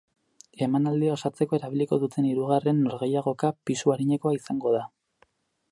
Emanaldia osatzeko erabiliko duten hirugarren norgehiagoka pisu arinekoa izango da.